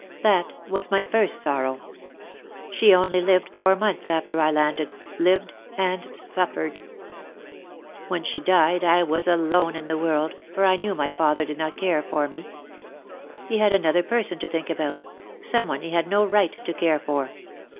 That was my first sorrow. She only lived four months after I landed, lived and suffered. When she died I was alone in the world, for I knew my father did not care for me. He had another person to think about; someone he had no right to care for.